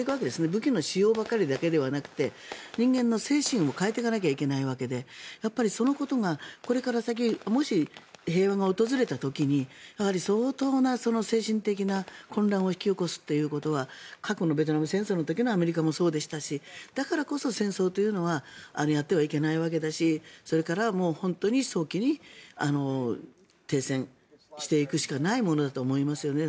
武器の使用だけではなく人間の精神も変えていかなきゃいけないわけでそのことがこれから先もし、平和が訪れた時に相当な精神的な混乱を引き起こすことは過去のベトナム戦争の時のアメリカもそうでしたしだからこそ戦争というのはやってはいけないわけだしそれから、本当に早期に停戦していくしかないものだと思いますよね。